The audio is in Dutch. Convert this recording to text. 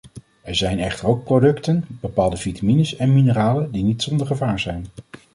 Er zijn echter ook producten, bepaalde vitamines en mineralen, die niet zonder gevaar zijn.